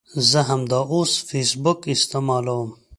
زه همداوس فیسبوک استعمالوم